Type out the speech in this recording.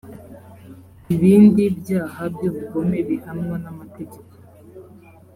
ibindi byaha by ubugome bihanwa n amategeko